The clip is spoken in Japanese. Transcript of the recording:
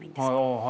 はい。